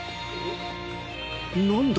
何だ？